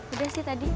udah sih tadi